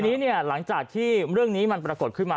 ทีนี้เนี่ยหลังจากที่เรื่องนี้มันปรากฏขึ้นมา